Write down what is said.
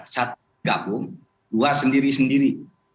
satu gabung dua sendiri sendiri